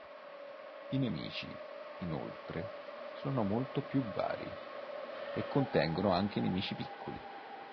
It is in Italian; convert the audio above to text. I nemici, inoltre, sono molto più vari, e contengono anche nemici piccoli.